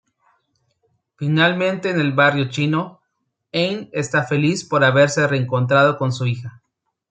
Finalmente en el barrio chino, Anne está feliz por haberse reencontrado con su hija.